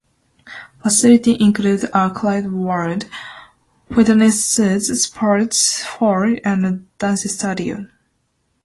Facilities include a climbing wall, fitness suite, sports hall and dance studio.